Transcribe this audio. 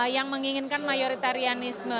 yang menginginkan mayoritarianisme